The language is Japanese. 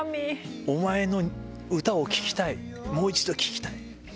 お前の歌を聴きたい、もう一度聴きたい。